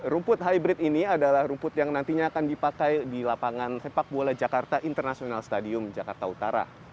rumput hybrid ini adalah rumput yang nantinya akan dipakai di lapangan sepak bola jakarta international stadium jakarta utara